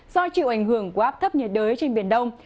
do chịu ảnh hưởng của áp thấp nhiệt đới trên biển đông